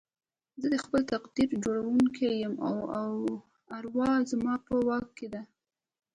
زه د خپل تقدير جوړوونکی يم او اروا زما په واک کې ده.